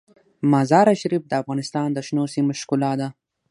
مزارشریف د افغانستان د شنو سیمو ښکلا ده.